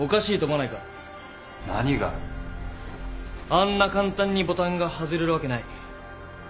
あんな簡単にボタンが外れるわけない。